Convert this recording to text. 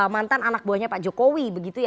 mantan anak buahnya pak jokowi